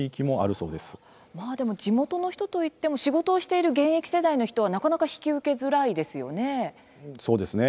地元の人といっても仕事をしている現役世代の人はなかなか引き受けづらいですよね。